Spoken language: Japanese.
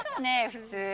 普通。